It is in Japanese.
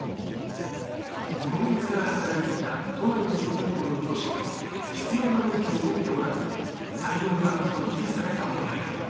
今月から働いていた都内の小学校の教師が必要な免許を持っておらず採用が取り消された問題。